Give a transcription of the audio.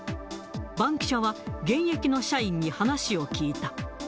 バンキシャは、現役の社員に話を聞いた。